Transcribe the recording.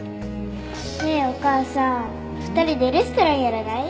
ねえお母さん２人でレストランやらない？